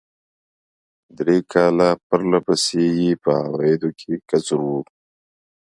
درې کاله پر له پسې یې په عوایدو کې کسر و.